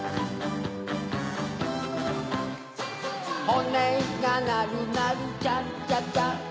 ほねがなるなるチャッチャッチャ